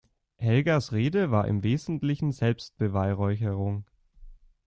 Helgas Rede war im Wesentlichen Selbstbeweihräucherung.